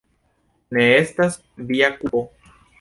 Ne estas via kulpo.